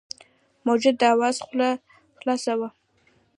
موجود اوږده خوله خلاصه وه.